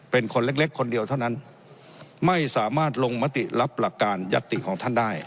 เป็นคนเล็กคนเดียวเท่านั้นไม่สามารถลงมติรับหลักการยัตติของท่านได้